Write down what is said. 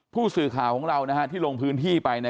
ผู้สื่อข่าวของเราที่ลงพื้นที่ไป